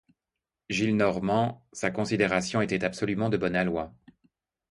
Gillenormand, sa considération était absolument de bon aloi.